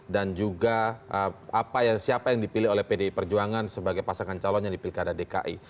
dan juga siapa yang dipilih oleh pdi perjuangan sebagai pasangan calon yang dipilkada dki